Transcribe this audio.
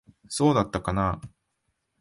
そうだったかなあ。